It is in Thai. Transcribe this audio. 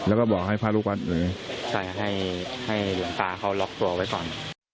แล้วก็บอกให้พระรูปัติใช่ให้ให้หลุมตาเขาล็อกตัวไว้ก่อน